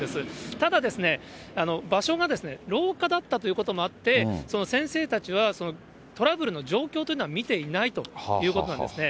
ただ、場所が廊下だったということもあって、先生たちはトラブルの状況というのは見ていないということなんですね。